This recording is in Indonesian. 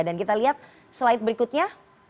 dan kita lihat slide berikutnya